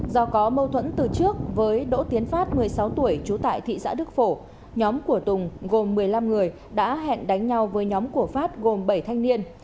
do có mâu thuẫn từ trước với đỗ tiến phát một mươi sáu tuổi trú tại thị xã đức phổ nhóm của tùng gồm một mươi năm người đã hẹn đánh nhau với nhóm của phát gồm bảy thanh niên